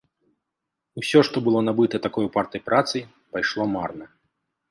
Усё, што было набыта такой упартай працай, пайшло марна.